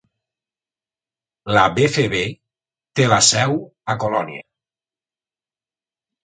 La BfV te la seu a Colònia.